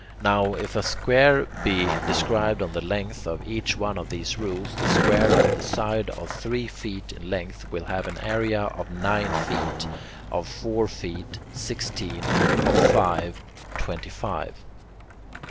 Now if a square be described on the length of each one of these rules, the square on the side of three feet in length will have an area of nine feet; of four feet, sixteen; of five, twenty five.